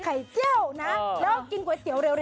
ไข่เต้้วนะแล้วกินก๋วยเต๊ะเร็ว